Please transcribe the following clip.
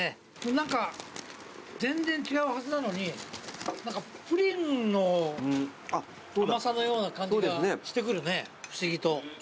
何か全然違うはずなのに何かプリンの甘さのような感じがしてくるね不思議と。